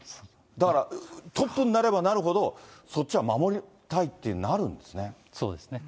だからトップになればなるほど、そっちは守りたいってなるんそうですね。